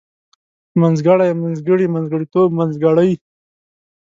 منځګړی منځګړي منځګړيتوب منځګړۍ